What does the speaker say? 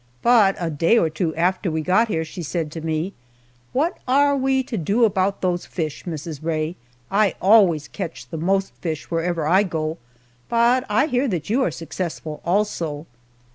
But a day or two after we got here she said to me, "What are we to do about those fish, Mrs. Rae? I always catch the most fish wherever I go, but I hear that you are successful also!"